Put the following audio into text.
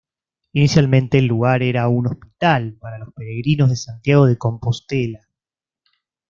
Inicialmente el lugar era un hospital para los peregrinos de Santiago de Compostela.